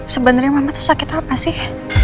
sebenernya mama tuh sakit apa sih